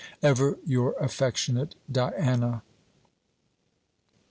Ever your affectionate DIANA.